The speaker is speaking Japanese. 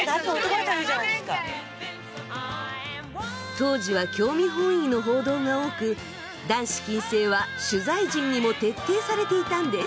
当時は興味本位の報道が多く男子禁制は取材陣にも徹底されていたんです。